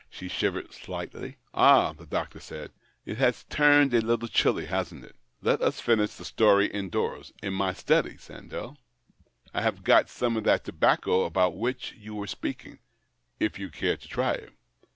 She shivered slightly. " Ah," the doctor said, " it has turned a little chilly, hasn't it? Let us finish the story indoors — in my study, Sandell. I have got some of that tobacco about which you were speaking, if you care to try it."